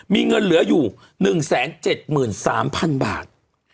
มีเงินเหลืออยู่๑๗๓๐๐๐บาท